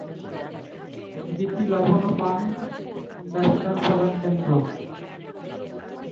দ্বীপটি লবণ ও পান ব্যবসার প্রধান কেন্দ্র।